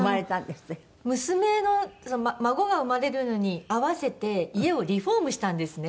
娘の孫が生まれるのに合わせて家をリフォームしたんですね。